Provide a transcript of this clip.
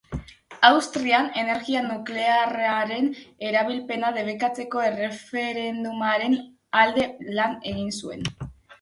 Austrian energia nuklearraren erabilpena debekatzeko erreferendumaren alde lan egin zuen.